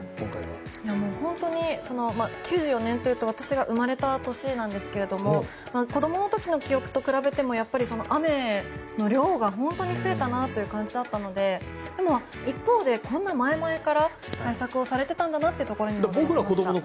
本当に９４年というと私が生まれた年なんですけれども子供の時の記憶と比べても雨の量が本当に増えたなという感じだったのででも一方でこんな前々から対策をされていたんだなということにも驚きました。